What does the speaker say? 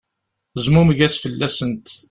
Zmumeg-as fell-asent.